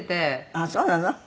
あっそうなの？